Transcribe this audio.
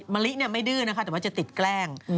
มะลิไม่ดื้อนะคะแต่ว่าจะติดแกล้ง